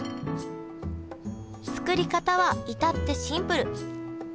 作り方は至ってシンプル！